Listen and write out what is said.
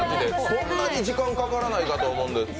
そんなに時間かからないと思うんですけど。